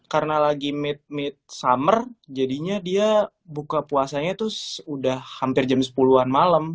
karena lagi mid mid summer jadinya dia buka puasanya tuh udah hampir jam sepuluh an malem